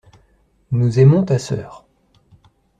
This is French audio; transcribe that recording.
Nous aimons ta sœur.